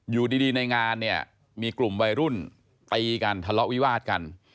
อยู่ดีในงานเนี่ยมีกลุ่มวัยรุ่นตีกันทะเลาะวิวาดกัน